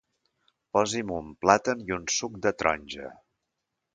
Posi'm un plàtan i un suc de taronja.